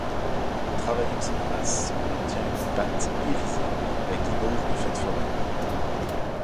En travaillant cette masse, on obtient une pâte irisée, la guimauve de fête foraine.